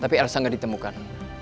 tapi elsa gak ditemukan